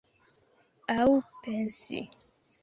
Aŭ pensi.